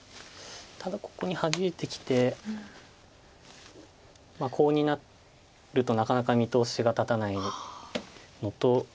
ただここにハジいてきてコウになるとなかなか見通しが立たないのと。